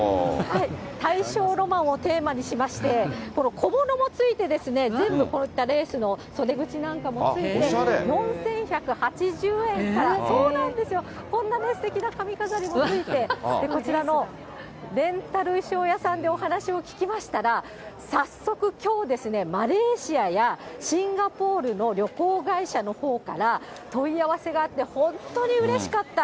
大正ロマンをテーマにしまして、この小物も付いて、全部こういったレースの袖口なんかもついて、４１８０円から、そうなんですよ、こんなすてきな髪飾りもついて、こちらのレンタル衣装屋さんでお話を聞きましたら、早速きょうですね、マレーシアやシンガポールの旅行会社のほうから問い合わせがあって、本当にうれしかった。